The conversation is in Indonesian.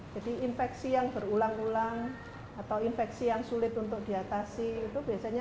jadi infeksi yang berulang ulang atau infeksi yang sulit untuk diatasi itu biasanya